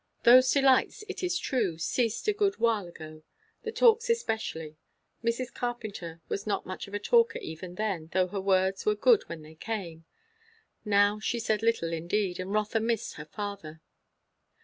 Those delights, it is true, ceased a good while ago; the talks especially. Mrs. Carpenter was not much of a talker even then, though her words were good when they came. Now she said little indeed; and Rotha missed her father.